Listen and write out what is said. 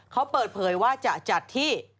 เขาเปิดเผยว่าจะจัดที่